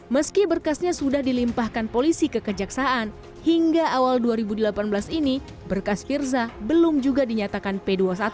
meski berkasnya sudah dilimpahkan polisi ke kejaksaan hingga awal dua ribu delapan belas ini berkas firza belum juga dinyatakan p dua puluh satu